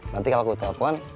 nanti kalau aku telepon